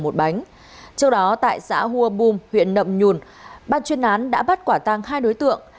một bánh trong đó tại xã hua bùm huyện nậm nhùn bác chuyên án đã bắt quả tang hai đối tượng